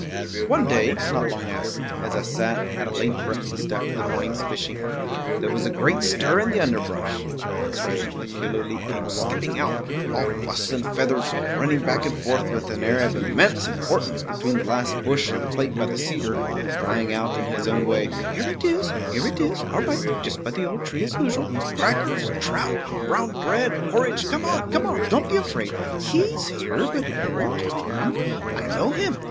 One day, not long after, as I sat at a late breakfast after the morning's fishing, there was a great stir in the underbrush. Presently Killooleet came skipping out, all fuss and feathers, running back and forth with an air of immense importance between the last bush and the plate by the cedar, crying out in his own way, "Here it is, here it is, all right, just by the old tree as usual. Crackers, trout, brown bread, porridge; come on, come on; don't be afraid. He's here, but he won't harm. I know him.